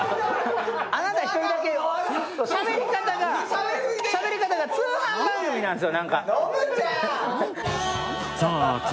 あなた１人だけしゃべり方が通販番組なんですよ。